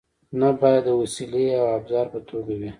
نه باید د وسیلې او ابزار په توګه وي.